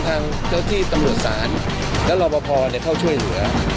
ทั้งท่าที่ตำรวจศาลแล้วก็รอบภอดีเข้าช่วยเหลือ